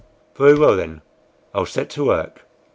"Very well, then, I'll set to work."